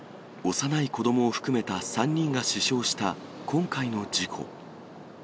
幼い子どもを含めた３人が死傷した今回の事故。